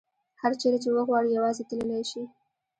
هر چیرې چې وغواړي یوازې تللې شي.